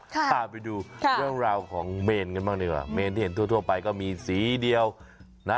พาไปดูเรื่องราวของเมนกันบ้างดีกว่าเมนที่เห็นทั่วไปก็มีสีเดียวนะ